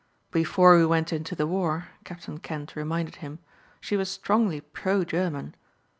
"Before we went into the war," Captain Kent reminded him, "she was strongly pro German."